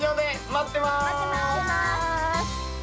待ってます！